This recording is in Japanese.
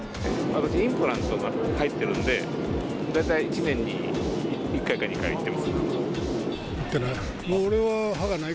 私、インプラントが入ってるんで、大体１年に１回か２回行ってない。